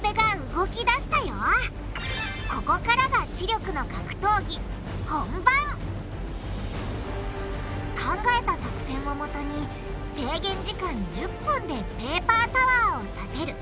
ここからが知力の格闘技本番！考えた作戦をもとに制限時間１０分でペーパータワーを立てる！